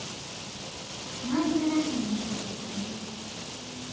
周りがラッキーになった方が良いです。